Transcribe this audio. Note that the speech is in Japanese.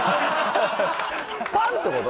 「パン」ってこと？